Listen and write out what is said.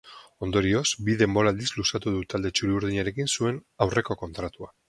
Ondorioz, bi denboraldiz luzatu du talde txuri-urdinarekin zuen aurreko kontratua.